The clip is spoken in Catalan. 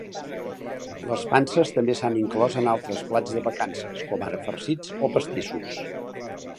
Les panses també s'han inclòs en altres plats de vacances, com ara farcits o pastissos.